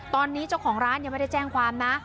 ตอนนี้เจ้าของร้านยังไม่ได้แจ้งความนะ